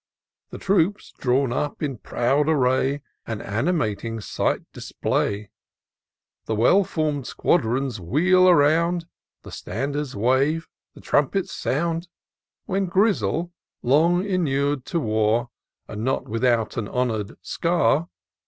The troops drawn up in proud array, An animating sight display ; The well form'd squadrons wheel around. The standards wave, the trumpets sound, "When Grizzle, long inur'd to war, And not without an honour'd scar.